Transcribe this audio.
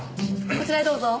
こちらへどうぞ。